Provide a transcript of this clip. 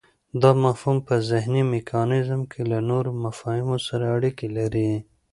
دا مفهوم په ذهني میکانیزم کې له نورو مفاهیمو سره اړیکی لري